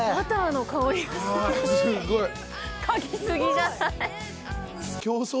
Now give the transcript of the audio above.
嗅ぎ過ぎじゃない？